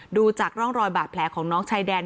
ดูจากร่องรอยบาดแผลของน้องชายแดน